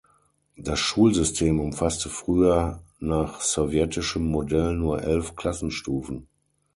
Das Schulsystem umfasste früher nach sowjetischem Modell nur elf Klassenstufen.